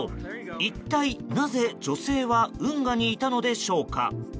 一体、なぜ女性は運河にいたのでしょうか。